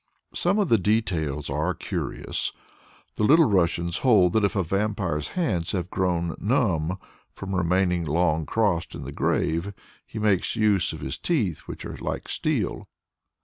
Some of the details are curious. The Little Russians hold that if a vampire's hands have grown numb from remaining long crossed in the grave, he makes use of his teeth, which are like steel.